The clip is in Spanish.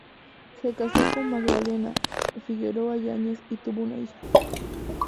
Se casó con Magdalena Figueroa Yáñez y tuvo una hija.